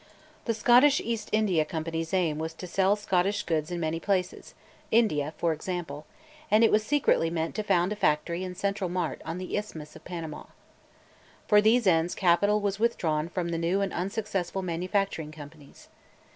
The Scottish East India Company's aim was to sell Scottish goods in many places, India for example; and it was secretly meant to found a factory and central mart on the isthmus of Panama. For these ends capital was withdrawn from the new and unsuccessful manufacturing companies.